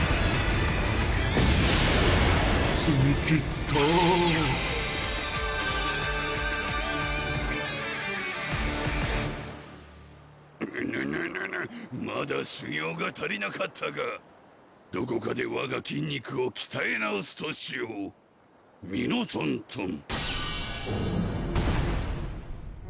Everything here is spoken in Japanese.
スミキッタうぬぬぬぬまだ修行が足りなかったかどこかでわが筋肉をきたえ直すとしようミノトントン！